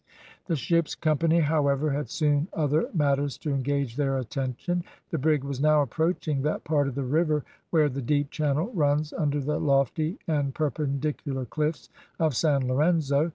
The ship's company, however, had soon other matters to engage their attention. The brig was now approaching that part of the river where the deep channel runs under the lofty and perpendicular cliffs of San Lorenzo.